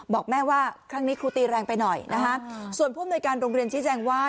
บอกแม่ว่าครั้งนี้ครูตีแรงไปหน่อยนะคะส่วนผู้อำนวยการโรงเรียนชี้แจงว่า